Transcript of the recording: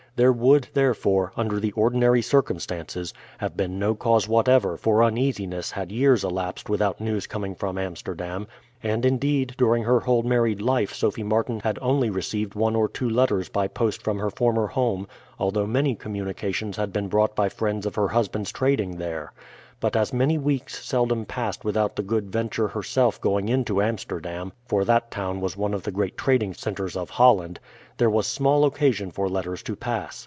There would, therefore, under the ordinary circumstances, have been no cause whatever for uneasiness had years elapsed without news coming from Amsterdam; and, indeed, during her whole married life Sophie Martin had only received one or two letters by post from her former home, although many communications had been brought by friends of her husband's trading there. But as many weeks seldom passed without the Good Venture herself going into Amsterdam, for that town was one of the great trading centres of Holland, there was small occasion for letters to pass.